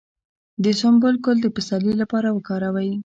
د سنبل ګل د پسرلي لپاره وکاروئ